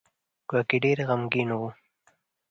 ګواکې ډېر غمګین شو.